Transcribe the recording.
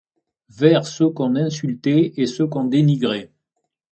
Vers ce qu’on insultait et ce qu’on dénigrait